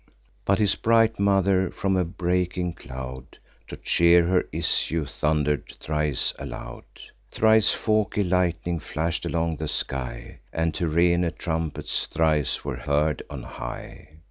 But his bright mother, from a breaking cloud, To cheer her issue, thunder'd thrice aloud; Thrice forky lightning flash'd along the sky, And Tyrrhene trumpets thrice were heard on high.